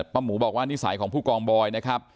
หมูบอกว่านิสัยของผู้กองบอยนะครับ